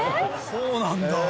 そうなんだ。